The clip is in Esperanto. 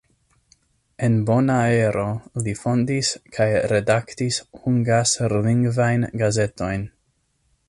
En Bonaero li fondis kaj redaktis hungasrlingvajn gazetojn.